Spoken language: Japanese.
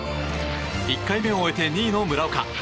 １回目を終えて２位の村岡。